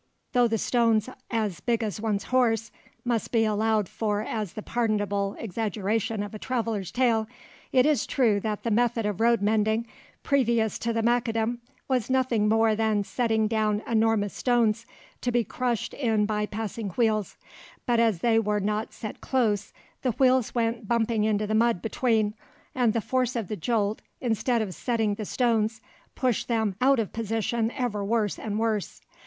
Though the stones as "big as one's horse" must be allowed for as the pardonable exaggeration of a traveller's tale, it is true that the method of road mending previous to Macadam was nothing more than setting down enormous stones to be crushed in by passing wheels, but as they were not set close, the wheels went bumping into the mud between, and the force of the jolt instead of setting the stones pushed them out of position ever worse and worse.